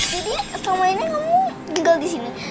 jadi selama ini kamu tinggal disini